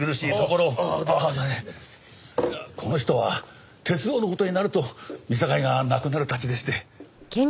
この人は鉄道の事になると見境がなくなるたちでして。